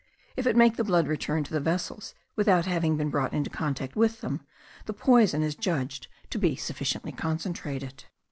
If it make the blood return to the vessels without having been brought into contact with them, the poison is judged to be sufficiently concentrated.